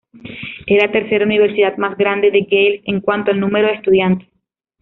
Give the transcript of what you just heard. Es la tercera universidad más grande de Gales en cuanto al número de estudiantes.